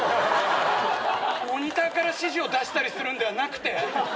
モニターから指示を出したりするんではなくて！？